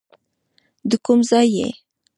د کوم ځای یې.